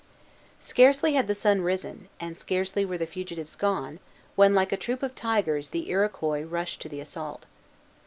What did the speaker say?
Scarcely had the sun risen, and scarcely were the fugitives gone, when, like a troop of tigers, the Iroquois rushed to the assault.